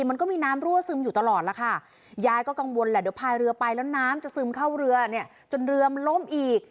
มันก็มีน้ำรั่วซึมอยู่ตลอดแล้วค่ะยายก็กังวลแหละเดี๋ยวพายเรือไปแล้วน้ำจะซึมเข้าเรือเนี่ยจนเรือมันล่มอีก